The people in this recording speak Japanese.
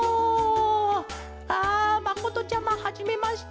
あまことちゃまはじめまして。